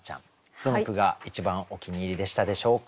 どの句が一番お気に入りでしたでしょうか？